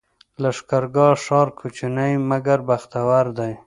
لښکرګاه ښار کوچنی مګر بختور دی